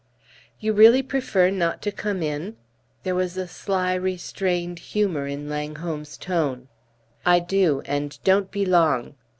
"You really prefer not to come in?" There was a sly restrained humor in Langholm's tone. "I do and don't be long."